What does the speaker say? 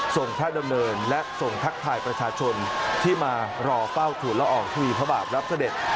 พระดำเนินและส่งทักทายประชาชนที่มารอเฝ้าทุนละอองทุลีพระบาทรับเสด็จ